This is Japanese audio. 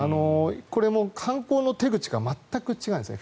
これも犯行の手口が全く違うんですね。